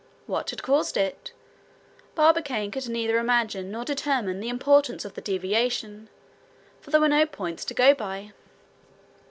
What had caused it? Barbicane could neither imagine nor determine the importance of the deviation, for there were no points to go by.